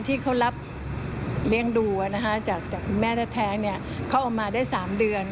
ที่เขารับเลี้ยงดูจากคุณแม่แท้เขาเอามาได้๓เดือน